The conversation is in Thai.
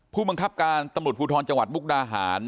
ผู้บังคับการตำรวจภูทรจังหวัดมุกดาหาร